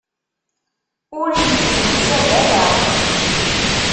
Ur yettneḥsab ara.